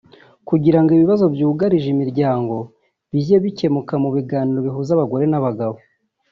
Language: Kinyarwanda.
kugirango ibibazo byugarije imiryango bijye bikemukira mu biganiro bihuza abagore n’abagabo babo